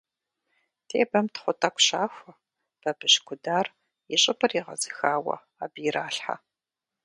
Тебэм тхъу тӀэкӀу щахуэ, бабыщ кудар, и щӀыбыр егъэзыхауэ, абы иралъхьэ.